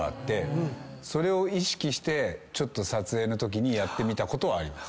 それを意識して撮影のときにやってみたことはあります。